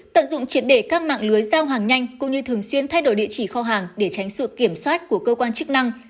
tận dụng triệt để các mạng lưới giao hàng nhanh cũng như thường xuyên thay đổi địa chỉ kho hàng để tránh sự kiểm soát của cơ quan chức năng